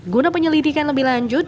guna penyelidikan lebih lanjut